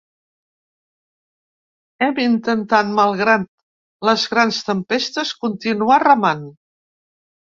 Hem intentat, malgrat les grans tempestes, continuar remant.